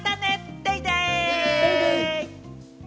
デイデイ！